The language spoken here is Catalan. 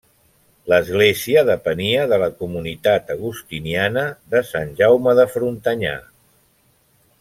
L'església depenia de la comunitat agustiniana de Sant Jaume de Frontanyà.